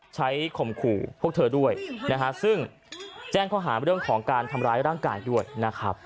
ข่มขู่พวกเธอด้วยนะฮะซึ่งแจ้งข้อหาเรื่องของการทำร้ายร่างกายด้วยนะครับ